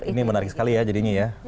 ini menarik sekali ya jadinya ya